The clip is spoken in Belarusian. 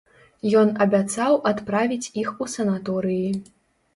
Ён абяцаў адправіць іх у санаторыі.